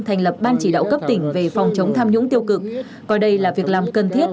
thành lập ban chỉ đạo cấp tỉnh về phòng chống tham nhũng tiêu cực coi đây là việc làm cần thiết